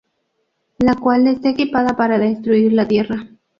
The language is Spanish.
La cual está equipada para destruir la tierra.